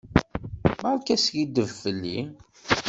Beṛka askiddeb fell-i.